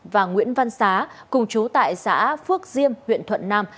và nguyễn văn xá cùng chú tại xã phước diêm huyện thuận nam